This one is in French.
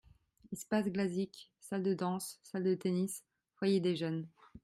Espace Glazik : salle de danse, salle de tennis, foyer des jeunes.